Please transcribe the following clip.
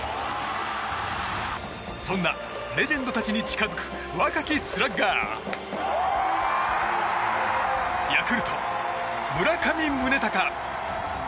そんなレジェンドたちに近づく若きスラッガーヤクルト、村上宗隆。